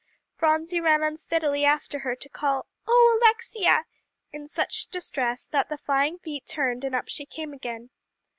Phronsie ran unsteadily after her, to call, "Oh Alexia!" in such distress that the flying feet turned, and up she came again.